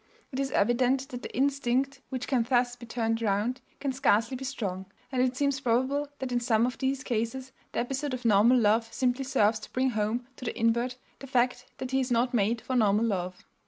It is evident that the instinct which can thus be turned round can scarcely be strong, and it seems probable that in some of these cases the episode of normal love simply serves to bring home to the invert the fact that he is not made for normal love.